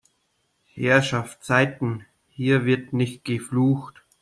Herrschaftszeiten, hier wird nicht geflucht!